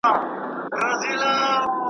تر قیامته بل ته نه سوای خلاصېدلای .